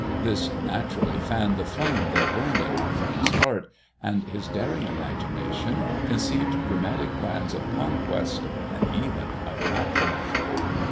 This naturally fanned the flame that burned in our friend's heart, and his daring imagination conceived dramatic plans of conquest, and even of matrimony.